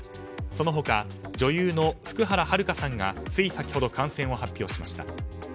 その他、女優の福原遥さんがつい先ほど感染を発表しました。